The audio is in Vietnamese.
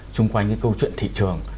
chung quanh cái câu chuyện thị trường